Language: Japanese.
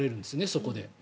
そこで。